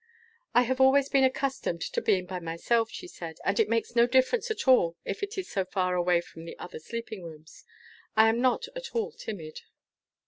"I have always been accustomed to being by myself," she said, "and it makes no difference at all if it is so far away from the other sleeping rooms. I am not at all timid."